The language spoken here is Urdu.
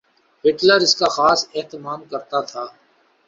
ہٹلر اس کا خاص اہتمام کرتا تھا۔